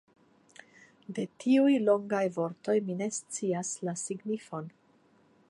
De tiuj longaj vortoj mi ne scias la signifon.